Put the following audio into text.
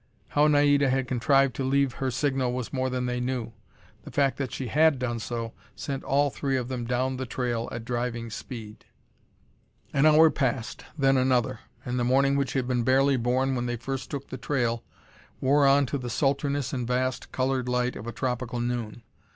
How Naida had contrived to leave her signal was more than they knew. The fact that she had done so, sent all three of them down the trail at driving speed. An hour passed, then another, and the morning which had been barely born when they first took the trail, wore on to the sultriness and vast, colored light of a tropical noon.